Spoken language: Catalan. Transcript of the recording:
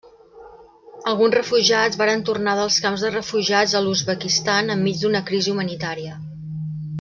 Alguns refugiats varen tornar dels camps de refugiats a l'Uzbekistan enmig d'una crisi humanitària.